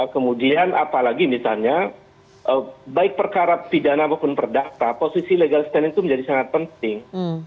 kemudian apalagi misalnya baik perkara pidana maupun perdata posisi legal standing itu menjadi sangat penting